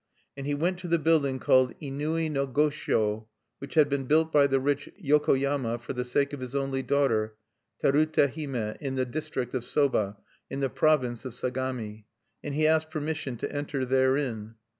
And he went to the building called Inui no Goshyo, which had been built by the rich Yokoyama for the sake of his only daughter, Terute Hime, in the district of Soba, in the province of Sagami; and he asked permission to enter therein.